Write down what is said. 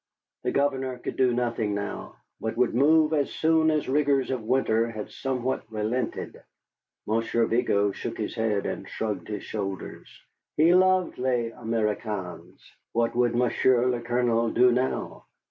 The Governor could do nothing now, but would move as soon as the rigors of winter had somewhat relented. Monsieur Vigo shook his head and shrugged his shoulders. He loved les Américains. What would Monsieur le Colonel do now?